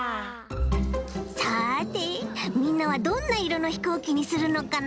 さてみんなはどんないろのひこうきにするのかな？